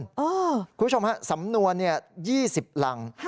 คุณผู้ชมครับสำนวน๒๐หลัง